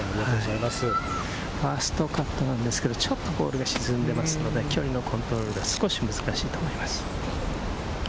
ファーストカットなんですけれど、ちょっとボールが死んでますので距離のコントロールが少し難しいと思います。